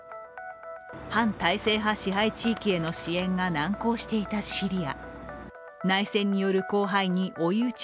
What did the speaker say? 反体制派支配地域への支援が難航していたシリア。